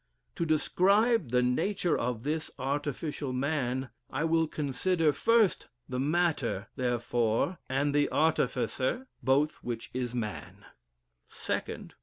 To describe the nature of this artificial man, I will consider, "1st. The matter thereof, and the artificer, both which is man. "2nd.